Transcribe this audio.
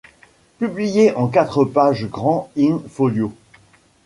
Publié en quatre pages grand-in-folio.